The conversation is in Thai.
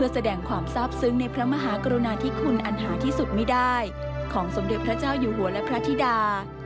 แสดงความทราบซึ้งในพระมหากรุณาธิคุณอันหาที่สุดไม่ได้ของสมเด็จพระเจ้าอยู่หัวและพระธิดา